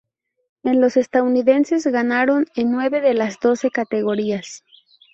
En los estadounidenses ganaron en nueve de las doce categorías.